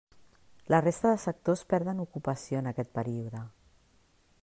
La resta de sectors perden ocupació en aquest període.